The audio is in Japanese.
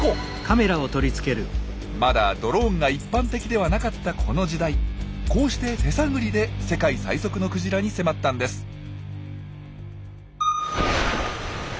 まだドローンが一般的ではなかったこの時代こうして手探りで世界最速のクジラに迫ったんです。